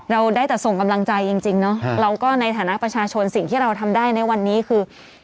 เราได้แต่ส่งกำลังใจจริงเนาะเราก็ในฐานะประชาชนสิ่งที่เราทำได้ในวันนี้คือ